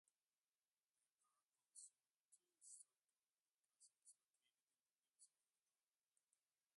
There are also two historical castles located in the municipality.